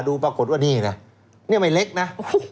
ดูปรากฏว่านี่นะนี่ไม่เล็กนะ